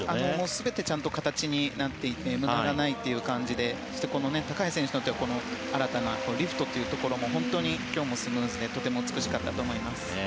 全て形になっていて無駄がないという感じでそしてこの高橋選手の新たなリフトというところも本当に今日もスムーズでとても美しかったと思います。